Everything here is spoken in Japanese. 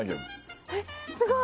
えっ、すごい！